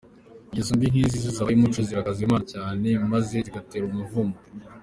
Ingeso mbi nk’izi iyo zibaye umuco zirakaza Imana cyane, maze zigatera umuvumo.